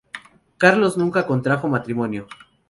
Carlos nunca contrajo matrimonio.